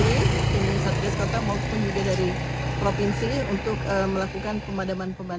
tim satgas kota maupun juga dari provinsi untuk melakukan pemadaman pemadaman